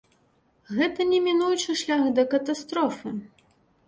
Гэта немінучы шлях да катастрофы.